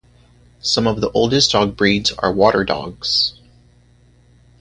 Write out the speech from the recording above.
Some of the oldest dog breeds are water dogs.